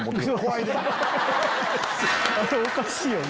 あれおかしいよね。